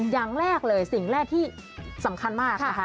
อย่างแรกเลยสิ่งแรกที่สำคัญมากนะคะ